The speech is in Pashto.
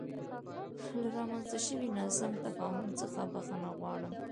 له رامنځته شوې ناسم تفاهم څخه بخښنه غواړم.